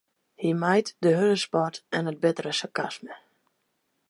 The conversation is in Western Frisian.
Hy mijt de hurde spot en it bittere sarkasme.